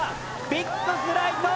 ビッグフライト！